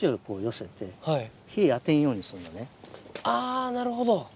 あぁなるほど。